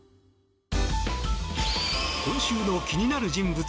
今週の気になる人物